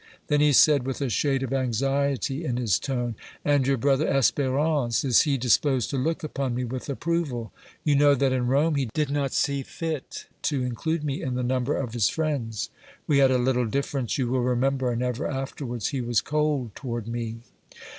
Then he said, with a shade of anxiety in his tone: "And your brother Espérance, is he disposed to look upon me with approval? You know that in Rome he did not see fit to include me in the number of his friends. We had a little difference, you will remember, and ever afterwards he was cold toward me."